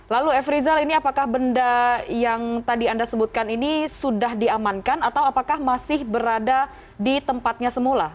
lalu f rizal ini apakah benda yang tadi anda sebutkan ini sudah diamankan atau apakah masih berada di tempatnya semula